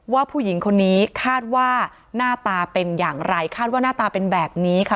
ผู้หญิงคนนี้คาดว่าหน้าตาเป็นอย่างไรคาดว่าหน้าตาเป็นแบบนี้ค่ะ